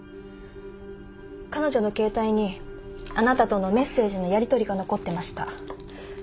彼女の携帯にあなたとのメッセージのやりとりが残ってました。